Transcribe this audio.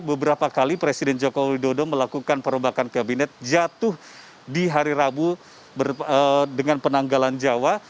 beberapa kali presiden joko widodo melakukan perombakan kabinet jatuh di hari rabu dengan penanggalan jawa